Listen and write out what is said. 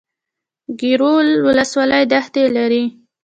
ګیرو ولسوالۍ دښتې لري؟